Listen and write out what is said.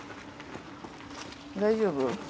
大丈夫？